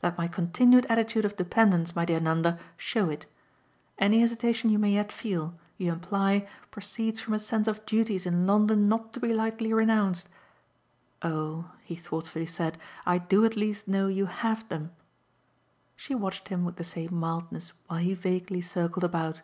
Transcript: Let my continued attitude of dependence, my dear Nanda, show it. Any hesitation you may yet feel, you imply, proceeds from a sense of duties in London not to be lightly renounced? Oh," he thoughtfully said, "I do at least know you HAVE them." She watched him with the same mildness while he vaguely circled about.